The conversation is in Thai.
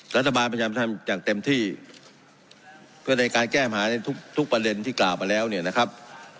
รัฐบาลพยายามทำอย่างเต็มที่เพื่อในการแก้หาในทุกทุกประเด็นที่กล่าวมาแล้วเนี่ยนะครับ